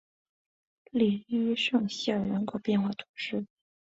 里伊圣西尔人口变化图示